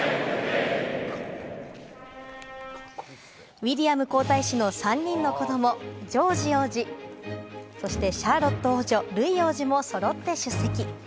ウィリアム皇太子の３人の子供、ジョージ王子、そしてシャーロット王女、ルイ王子もそろって出席。